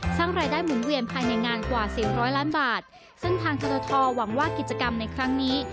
สร้างรายได้หมุนเวียนภายในงานกว่าสี่ร้อยล้านบาทซึ่งทางกรทหวังว่ากิจกรรมในครั้งนี้